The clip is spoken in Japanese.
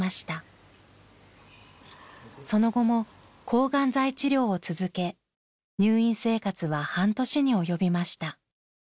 その後も抗がん剤治療を続け入院生活は半年に及びました。